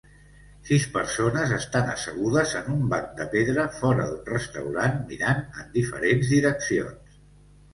Sis persones estan assegudes en un banc de pedra fora d'un restaurant mirant en diferents direccions.